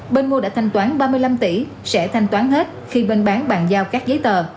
bên mua đã thanh toán ba mươi năm tỷ sẽ thanh toán hết khi bên bán bàn giao các giấy tờ